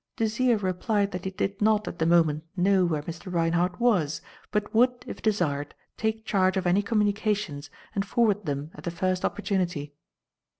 Desire replied that he did not, at the moment, know where Mr. Reinhardt was, but would, if desired, take charge of any communications and forward them at the first opportunity.